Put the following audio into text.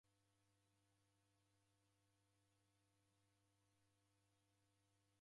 Dimkabie chui mghenyu.